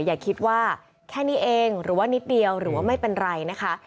อย่าคิดว่าแค่นี้เองหรือว่านิดเดียวหรือว่าไม่เป็นไรนะคะ